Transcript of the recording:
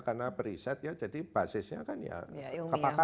karena beriset ya jadi basisnya kan ya kepakaran